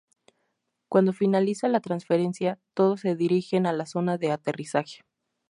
Cuando finaliza la transferencia, todos se dirigen a la zona de aterrizaje.